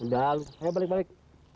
udah lu ayo balik balik